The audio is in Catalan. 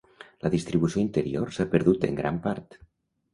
La distribució interior s'ha perdut en gran part.